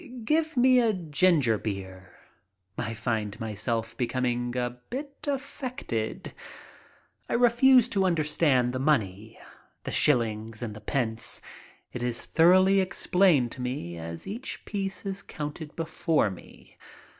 '' Ah, give me ginger beer. '' I find myself becoming a little bit affected. I refuse to understand the money — the shill ings and the pence. It is thoroughly explained to me as each piece is counted before me.